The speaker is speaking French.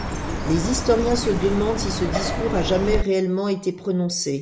Les historiens se demandent si ce discours a jamais réellement été prononcé.